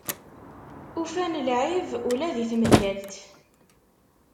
Ufan lɛib, ula di tmellalt.